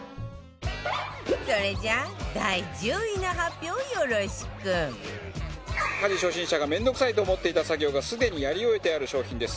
それじゃあ家事初心者が面倒くさいと思っていた作業がすでにやり終えてある商品です。